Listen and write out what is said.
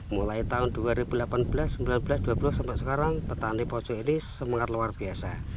mulai tahun dua ribu delapan belas seribu sembilan ratus dua puluh sampai sekarang petani pojok ini semangat luar biasa